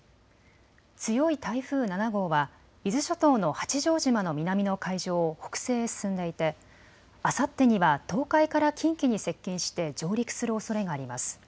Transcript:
強い台風７号は伊豆諸島の八丈島の南の海上を北西へ進んでいてあさってには東海から近畿に接近して上陸するおそれがあります。